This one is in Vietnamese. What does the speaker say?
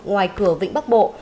ngoài cửa vĩnh bắc bộ